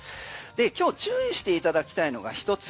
今日注意していただきたいのが一つ。